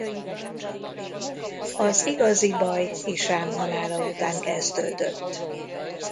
Az igazi baj Hisám halála után kezdődött.